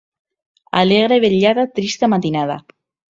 Alegre vetllada, trista matinada.